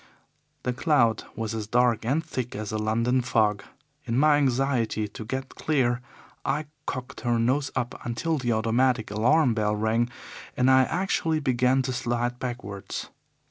The cloud was as dark and thick as a London fog. In my anxiety to get clear, I cocked her nose up until the automatic alarm bell rang, and I actually began to slide backwards.